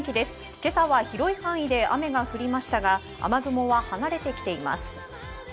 今朝は広い範囲で雨が降りましたが雨雲は離れてきています。